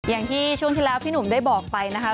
อย่างที่ช่วงที่แล้วพี่หนุ่มได้บอกไปนะคะ